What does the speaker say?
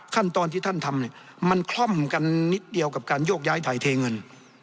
ขั้นตอนที่ท่านทำเนี่ยมันคล่อมกันนิดเดียวกับการโยกย้ายถ่ายเทเงิน